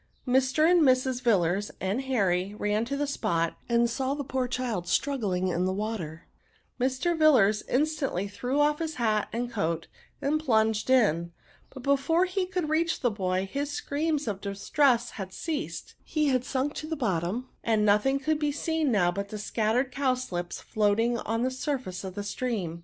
Mr. and Mrs. Villars, and Harry, ran to the spot, and saw the poor child struggling in the water; Mr. Villars instantly threw off his hat and coat, and plunged in ; but before he could reach the boy his screams of distress had ceased, he had sunk to the bottom, and no thing was to be seen but the scattered cow slips floating on the surface of the stream.